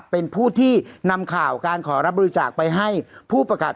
เป็นผู้ที่นำข่าวการขอรับบริจาคไปให้ผู้ประกาศ